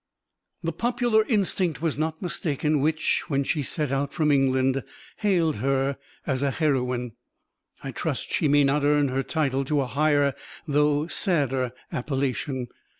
"The popular instinct was not mistaken which, when she set out from England, hailed her as a heroine; I trust she may not earn her title to a higher though sadder appellation.